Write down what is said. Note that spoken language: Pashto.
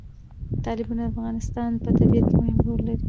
تالابونه د افغانستان په طبیعت کې مهم رول لري.